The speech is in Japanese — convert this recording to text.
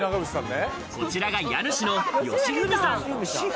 こちらが家主の芳史さん。